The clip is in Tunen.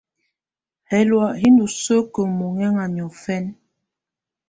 Hɛlɔ̀á hi ndù sǝ́kǝ́ mɔhɛŋa niɔ̀fɛna.